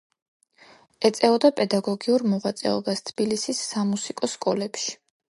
ეწეოდა პედაგოგიურ მოღვაწეობას თბილისის სამუსიკო სკოლებში.